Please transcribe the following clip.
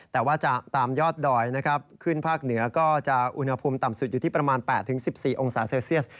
แต่ว่าจะตามยอดดอยนะครับขึ้นภาคเหนือก็จะอุณหภูมิต่ำสุดอยู่ที่ประมาณ๘๑๔องศาเซลเซียส